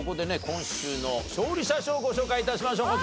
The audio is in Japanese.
今週の勝利者賞ご紹介致しましょう。